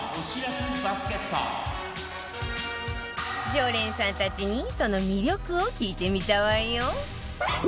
常連さんたちにその魅力を聞いてみたわよ